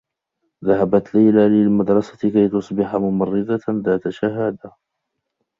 ذهبت ليلى للمدرسة كي تصبح ممرّضة ذات شهادة.